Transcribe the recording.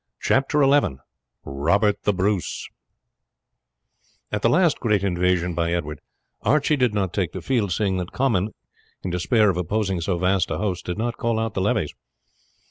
Chapter XI Robert The Bruce At the last great invasion by Edward, Archie did not take the field, seeing that Comyn, in despair of opposing so vast a host, did not call out the levies.